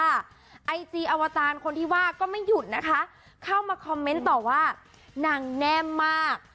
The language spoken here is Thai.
ไอจีอวจารย์คนที่ว่าก็ไม่หยุดนะคะเข้ามาคอมเมนต์ต่อว่านางแน่มาก